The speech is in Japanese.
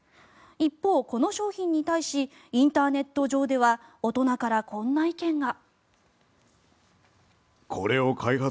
一方、この商品に対しインターネット上では大人からこんな意見が。